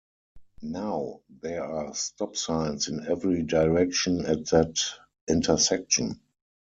Now, there are stop signs in every direction at that intersection.